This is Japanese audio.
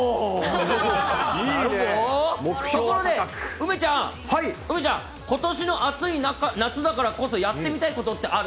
梅ちゃん、梅ちゃん、ことしの暑い夏だからこそやってみたいことってある？